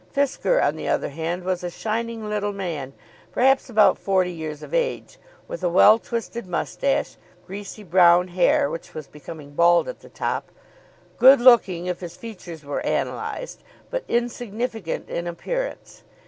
Fisker, on the other hand, was a shining little man, perhaps about forty years of age, with a well twisted moustache, greasy brown hair, which was becoming bald at the top, good looking if his features were analysed, but insignificant in appearance.